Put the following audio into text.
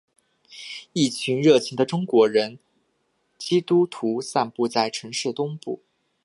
一小群热情的中国人基督徒散布在城市的东部。